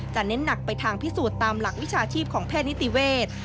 เน้นหนักไปทางพิสูจน์ตามหลักวิชาชีพของแพทย์นิติเวศ